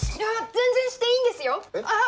全然していいんですよ！